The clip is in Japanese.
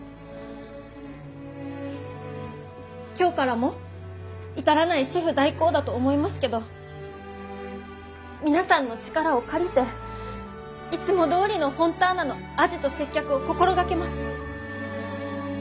今日からも至らないシェフ代行だと思いますけど皆さんの力を借りていつもどおりのフォンターナの味と接客を心がけます。